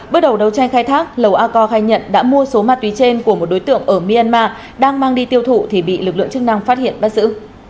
bước đầu đấu tranh khai thác lầu a co khai nhận đã mua số ma túy trên của một đối tượng ở myanmar đang mang đi tiêu thụ thì bị lực lượng chức năng phát hiện bắt giữ